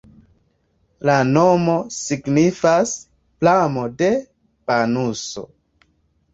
La nomo signifas: pramo-de-banuso.